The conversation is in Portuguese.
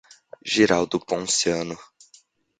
Girau do Ponciano